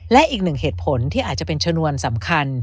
และอีกหนึ่งเหตุผลที่อาจจะเป็นชนวนสำคัญ